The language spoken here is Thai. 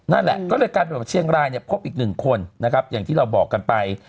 นั่นแหละก็เลยกับเชียงรายพบอีก๑คนอย่างที่เราบอกกันไป